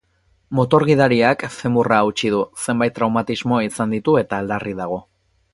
Motor gidariak femurra hautsi du, zenbait traumatismo izan ditu eta larri dago.